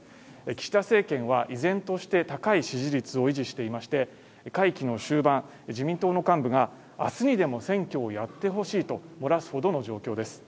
岸田政権は依然として高い支持率を維持していまして会期の終盤自民党の幹部が明日にでも選挙をやってほしいと漏らすほどの状況です